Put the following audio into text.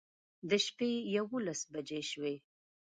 د شپې يوولس بجې شوې